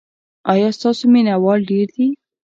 ایا ستاسو مینه وال ډیر دي؟